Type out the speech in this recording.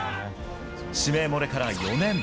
指名漏れから４年。